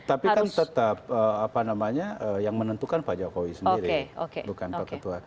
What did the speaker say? tapi kan tetap apa namanya yang menentukan pak jokowi sendiri bukan pak ketua